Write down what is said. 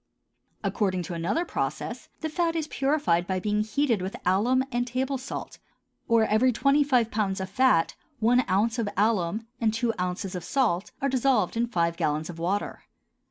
According to another process the fat is purified by being heated with alum and table salt; or every twenty five pounds of fat, one ounce of alum and two ounces of salt are dissolved in five gallons of water.